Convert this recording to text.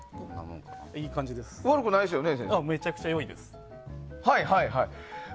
悪くないですよね？